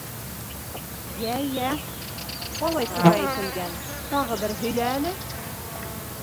— Йә, йә, ҡалай тура әйтелгән, тағы бер һөйлә әле.